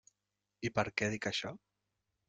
I per què dic això?